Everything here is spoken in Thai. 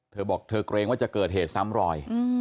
เธอบอกเธอเกรงว่าจะเกิดเหตุซ้ำรอย